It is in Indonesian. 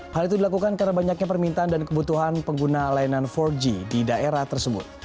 hal itu dilakukan karena banyaknya permintaan dan kebutuhan pengguna layanan empat g di daerah tersebut